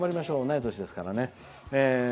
同い年ですからね。